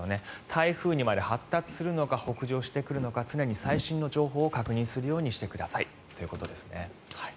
台風にまで発達するのか北上してくるのか常に最新の情報を確認するようにしてくださいということです。